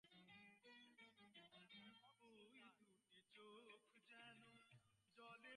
Then after a Brock steal, Curt Flood singled to left, scoring Brock.